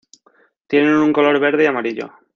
Tienen un color verde y amarillo.